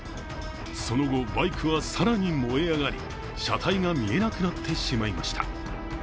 その後、バイクは更に燃え上がり、車体が見えなくなってしまいました。